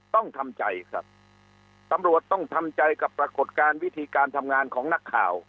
ต้องทำใจครับตำรวจต้องทำใจกับปรากฏการณ์วิธีการทำงานของนักข่าว